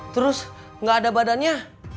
terus gak ada badannya